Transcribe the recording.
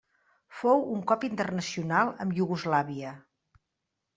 Fou un cop internacional amb Iugoslàvia.